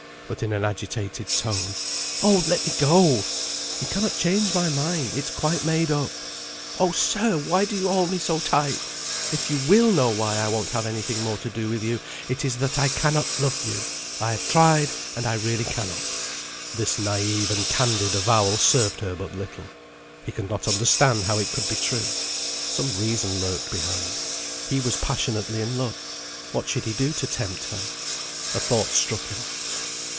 but (in an agitated tone) oh! let me go! You cannot change my mind; it's quite made up. Oh, sir! why do you hold me so tight? If you will know why I won't have any thing more to do with you, it is that I cannot love you. I have tried, and I really cannot." This naive and candid avowal served her but little. He could not understand how it could be true. Some reason lurked behind. He was passionately in love. What should he do to tempt her? A thought struck him.